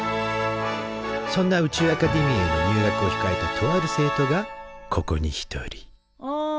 そんな宇宙アカデミーへの入学をひかえたとある生徒がここに一人あん！